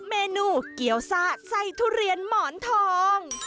เมนูเกี้ยวซ่าไส้ทุเรียนหมอนทอง